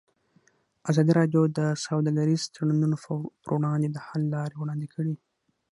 ازادي راډیو د سوداګریز تړونونه پر وړاندې د حل لارې وړاندې کړي.